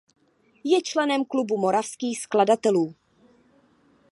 Je členem Klubu moravských skladatelů.